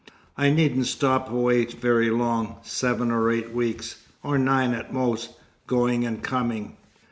I needn't stop away very long. Seven or eight weeks or nine at most, going and coming."